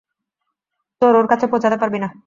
তোর ওর কাছে পৌঁছাতে পারবি না।